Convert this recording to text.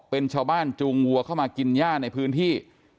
เป็นชาวบ้านจูงวัวเข้ามากินย่าในพื้นที่